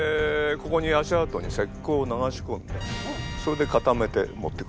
ここに足跡に石こうを流しこんでそれで固めて持ってくるという。